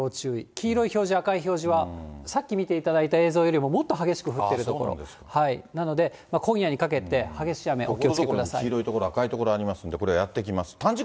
黄色い表示、赤い表示は、さっき見ていただいた映像よりも、もっと激しく降ってる所、なので、今夜にかけて、激しい雨、黄色い所、赤い所ありますので、これ、やって来ます。